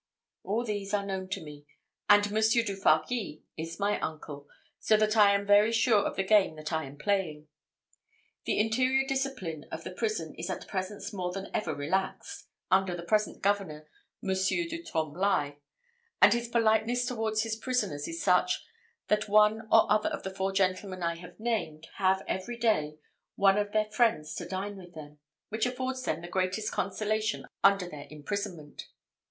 All these are known to me; and Monsieur du Fargis is my uncle, so that I am very sure of the game that I am playing. The interior discipline of the prison is at present more than ever relaxed, under the present governor, Monsieur du Tremblai; and his politeness towards his prisoners is such, that one or other of the four gentlemen I have named have every day one of their friends to dine with them, which affords them the greatest consolation under their imprisonment.